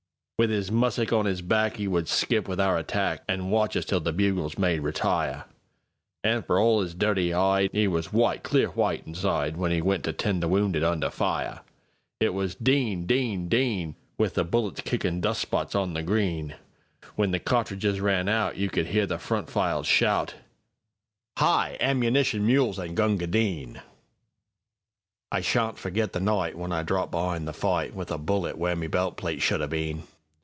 With 'is mussick on 'is back,'E would skip with our attack, An' watch us till the bugles made "Retire."An' for all 'is dirty 'ide,'E was white, clear white, insideWhen 'e went to tend the wounded under fire! It was "Din! Din! Din!"With the bullets kickin' dust spots on the green. When the cartridges ran out, You could 'ear the front files shout:"Hi! ammunition mules an' Gunga Din!"I sha'n't forgit the nightWhen I dropped be'ind the fightWith a bullet where my belt plate should 'a' been.